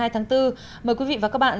một mươi hai tháng bốn mời quý vị và các bạn